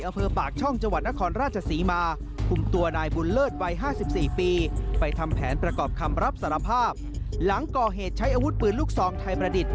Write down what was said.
เป็นแผนประกอบคำรับสารภาพหลังก่อเหตุใช้อาวุธปืนลูกสองไทยประดิษฐ์